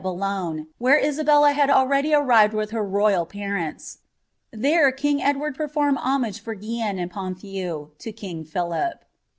I Boulogne, where Isabella had already arrifed with het myil nifiili There king Edward performed homage for Guieniie and PoaUuey,W Itiiig Philip.